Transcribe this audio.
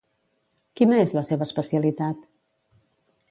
Quina és la seva especialitat?